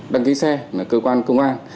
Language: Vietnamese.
đăng ký xe cơ quan công an